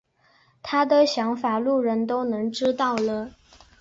他的想法路人都能知道了。